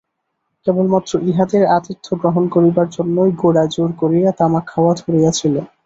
কেবলমাত্র ইহাদের আতিথ্য গ্রহণ করিবার জন্যই গোরা জোর করিয়া তামাক খাওয়া ধরিয়াছিল।